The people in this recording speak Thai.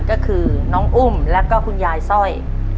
ก็คือน้องอุ้มแล้วก็คุณยายสร้อย